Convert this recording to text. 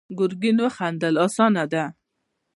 ګرګين وخندل: اسانه ده.